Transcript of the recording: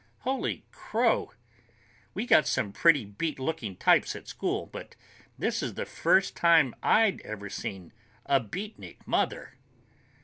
Holy crow! We got some pretty beat looking types at school, but this is the first time I've ever seen a beatnik mother.